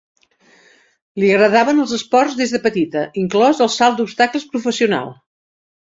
Li agradaven els esports des de petita, inclòs el salt d'obstacles professional.